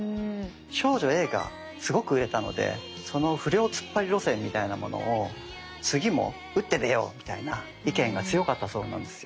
「少女Ａ」がすごく売れたのでその不良ツッパリ路線みたいなものを次も打って出ようみたいな意見が強かったそうなんですよ。